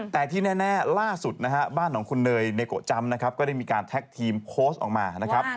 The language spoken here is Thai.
แต่ที่แน่ล่าสุดนะฮะบ้านของคุณเนยเนโกะจำนะครับก็ได้มีการแท็กทีมโพสต์ออกมานะครับ